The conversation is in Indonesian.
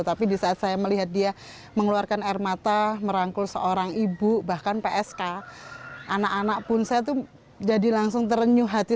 tapi di saat saya melihat dia mengeluarkan air mata merangkul seorang ibu bahkan psk anak anak pun saya tuh jadi langsung terenyuh hati